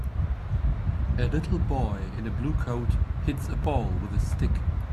A little boy in a blue coat hits a ball with a stick.